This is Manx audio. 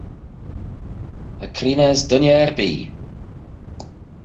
Cho creeney as dooinney erbee.